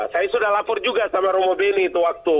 saya sudah lapor juga sama romo beni itu waktu